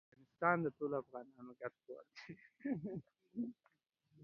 افغانستان د ټولو افغانانو ګډ کور دی.